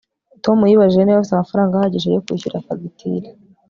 tom yibajije niba afite amafaranga ahagije yo kwishyura fagitire